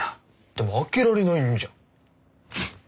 でも開けられないんじゃん。